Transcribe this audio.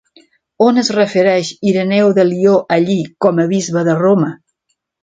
On es refereix Ireneu de Lió a Lli com a bisbe de Roma?